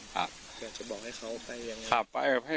อยากจะบอกให้เขาไปยังไง